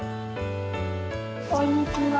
こんにちは。